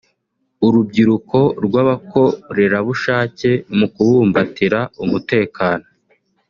urubyiruko rw’abakorerabushake mu kubumbatira umutekano